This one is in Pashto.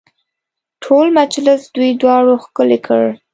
ټول مجلس دوی دواړو ښکلی کړ.